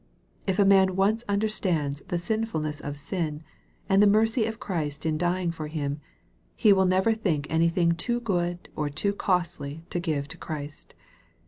If a man once understands the sinfulness of sin, and the mercy of Christ in dying for him, he will never think anything too good or too costly to give to Christ.